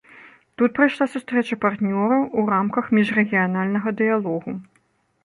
Тут прайшла сустрэча партнёраў у рамках міжрэгіянальнага дыялогу.